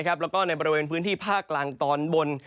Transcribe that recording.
แล้วก็ในบริเวณพื้นที่ภาคกลางตอนบน